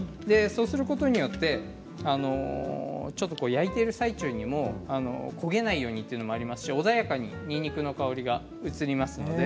そうすることによってちょっと焼いている最中にも焦げないようにということもありますし穏やかに、にんにくの香りが移ります。